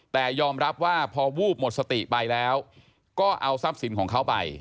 แต่ยอมรับว่าพอวูบหมดสติไปแล้วก็เอาทรัพย์สินของเขาไป